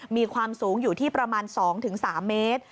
มีความสูงอยู่ที่ประมาณ๒๓เมตร